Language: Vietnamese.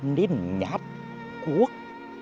nên nhát cuốc